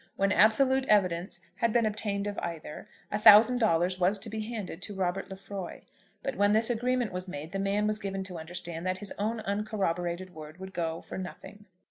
When absolute evidence had been obtained of either, a thousand dollars was to be handed to Robert Lefroy. But when this agreement was made the man was given to understand that his own uncorroborated word would go for nothing.